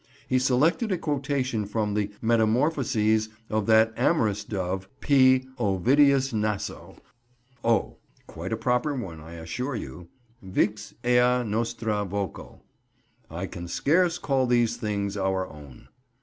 He selected a quotation from the Metamorphoses of that amorous dove, P. Ovidius Naso—O! quite a proper one, I assure you—Vix ea nostra voco, "I can scarce call these things our own."